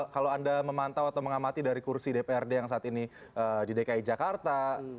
kalau anda memantau atau mengamati dari kursi dprd yang saat ini di dki jakarta